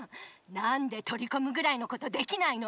何で取りこむぐらいのことできないの？